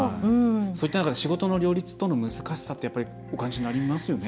そういった中で仕事の両立との難しさってお感じになりますよね？